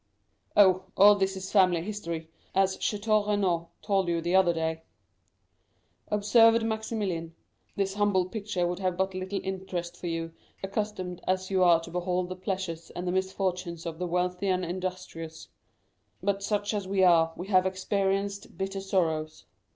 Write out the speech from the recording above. "Oh, all this is a family history, as Château Renaud told you the other day," observed Maximilian. "This humble picture would have but little interest for you, accustomed as you are to behold the pleasures and the misfortunes of the wealthy and industrious; but such as we are, we have experienced bitter sorrows."